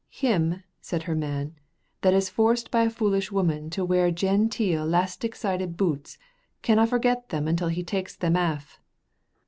"Him," said her man, "that is forced by a foolish woman to wear genteel 'lastic sided boots canna forget them until he takes them aff.